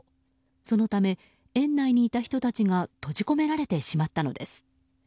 そのため、園内にいた人たちが閉じ込められてしまったのです。